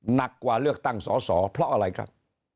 หนักกว่าเลือกตั้งสอสอเพราะอะไรครับ